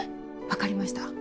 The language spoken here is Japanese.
分かりました